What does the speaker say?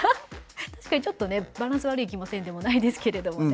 確かにちょっとねバランス悪い気もせんでもないですけれどもね。